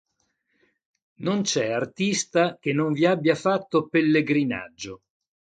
Non c'è artista che non vi abbia fatto pellegrinaggio.